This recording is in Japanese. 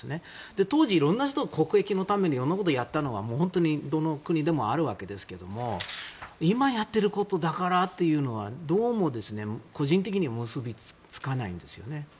当時、いろんな人が国益のためにやったのはどの国でもあるわけですが今やっていることだからというのはどうも、個人的には結び付かないんですよね。